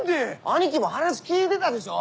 アニキも話聞いてたでしょ？